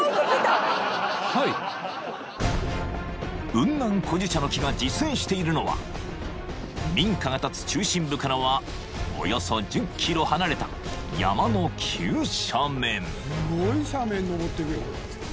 ［雲南古樹茶の木が自生しているのは民家が立つ中心部からはおよそ１０ｋｍ離れた山の急斜面］